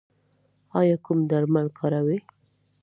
ایا کوم درمل کاروئ؟